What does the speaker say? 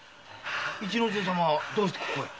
市之丞様はどうしてここへ？